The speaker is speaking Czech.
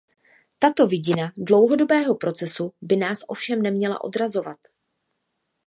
Tato vidina dlouhodobého procesu by nás ovšem neměla odrazovat.